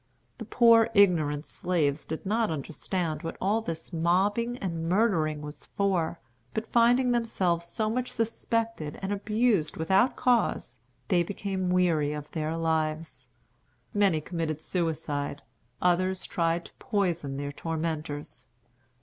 The poor ignorant slaves did not understand what all this mobbing and murdering was for; but finding themselves so much suspected and abused without cause, they became weary of their lives. Many committed suicide, others tried to poison their tormentors.